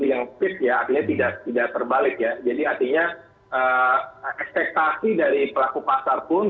artinya tidak tidak terbalik ya jadi artinya ekspektasi dari pelaku pasar pun